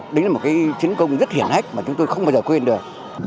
đấy là một cái chiến công rất hiển hách mà chúng tôi không bao giờ quên được